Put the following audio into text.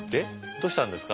どうしたんですか？